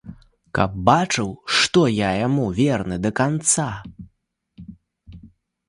Каб бачыў, што я яму верны да канца?